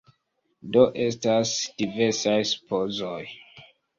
Do estas diversaj supozoj.